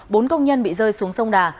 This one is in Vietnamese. bốn công nhân bị rơi xuống sông đà